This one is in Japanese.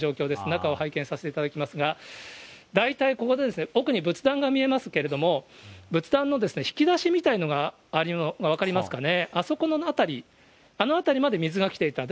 中を拝見させていただきますが、大体ここで、奥に仏壇が見えますけれども、仏壇の引き出しみたいのがあるのが分かりますかね、あそこの辺り、あの辺りまで水が来ていた。